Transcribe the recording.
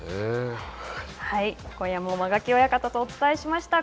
今夜も間垣親方とお伝えしました。